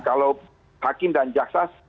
kalau hakim dan jaksas